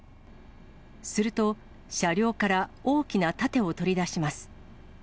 すると、車両から大きな盾を取り出します。